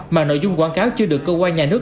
mà nội dung quảng cáo chưa được cơ quan nhà nước